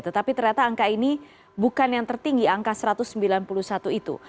tetapi ternyata angka ini bukan yang tertinggi angka satu ratus sembilan puluh satu itu